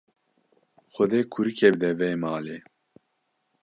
Xwedê kurikê bide vê malê.